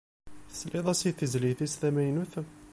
Tesliḍ as i tezlit is tamaynut?